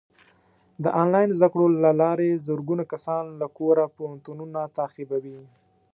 د آنلاین زده کړو له لارې زرګونه کسان له کوره پوهنتونونه تعقیبوي.